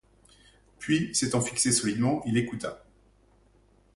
Puis, s’étant fixé solidement, il écouta.